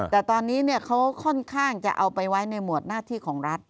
แต่ตอนนี้เขาค่อนข้างจะเอาไปไว้ในหมวดหน้าที่ของรัฐ